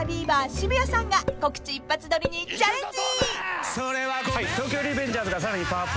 渋谷さんが告知一発撮りにチャレンジ！］